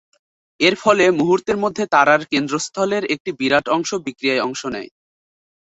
এর ফলে মুহূর্তের মধ্যে তারার কেন্দ্রস্থলের একটি বিরাট অংশ বিক্রিয়ায় অংশ নেয়।